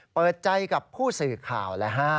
เปิดใจกับผู้สื่อข่าว